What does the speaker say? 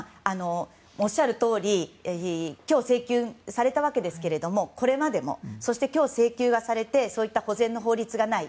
おっしゃるとおり今日、請求されたわけですけどこれまでもそして、今日請求されてそういった保全の法律がない